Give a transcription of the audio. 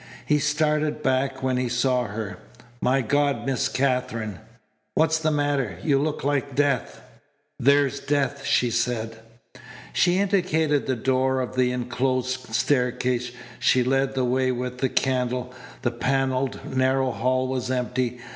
He started back when he saw her. "My God, Miss Katherine! What's the matter? You look like death." "There's death," she said. She indicated the door of the enclosed staircase. She led the way with the candle. The panelled, narrow hall was empty.